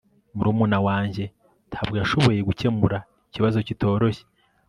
murumuna wanjye ntabwo yashoboye gukemura ikibazo kitoroshye